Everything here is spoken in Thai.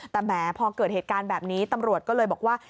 แต่แหมพอเกิดเหตุการณ์แบบนี้ตำรวจก็เลยบอกว่า